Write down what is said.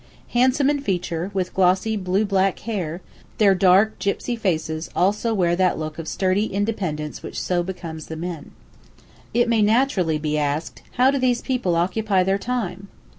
Handsome in feature, with glossy blue black hair, their dark gipsy faces also wear that look of sturdy independence which so becomes the men. It may naturally be asked, "How do these people occupy their time?"